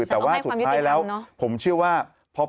แต่ว่าสุดท้ายแล้วต้องให้ความยุติธรรม